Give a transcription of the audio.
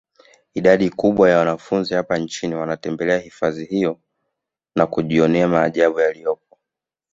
Idadi kubwa ya wanafunzi hapa nchini wanatembelea hifadhi hii na kujionea maajabu yaliyopo